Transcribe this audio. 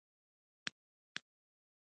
په اسلام آباد کې به محلي جمبوري.